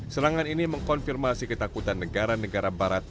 serangan ini mengkonfirmasi ketakutan negara negara barat